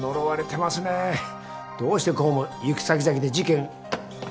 どうしてこうも行く先々で事件。